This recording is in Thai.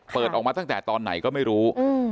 เปิดออกมาตั้งแต่ตอนไหนก็ไม่รู้